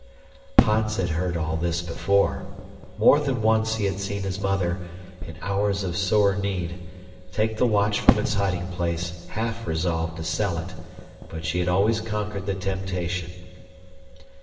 Hans had heard all this before. More than once he had seen his mother, in hours of sore need, take the watch from its hiding place, half resolved to sell it, but she had always conquered the temptation.